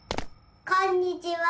こんにちは。